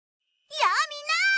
やあみんな！